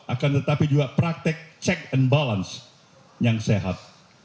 akan tetapi juga praktek check and balance yang sehat